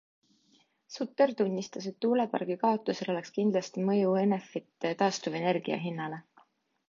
Sutter tunnistas, et tuulepargi kaotusel oleks kindlasti mõju Enefit Taastuvenergia hinnale.